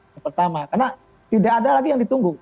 yang pertama karena tidak ada lagi yang ditunggu